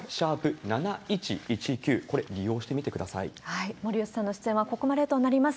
７１１９、これ、森内さんの出演はここまでとなります。